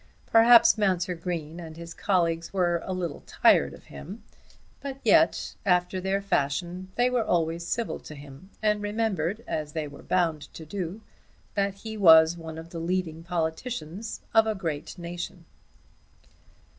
Perhaps Mounser Green and his colleagues were a little tired of him; but yet, after their fashion, they were always civil to him, and remembered, as they were bound to do, that he was one of the leading politicians of a great nation.